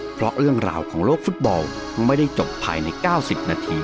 เพราะเรื่องราวของโลกฟุตบอลไม่ได้จบภายใน๙๐นาที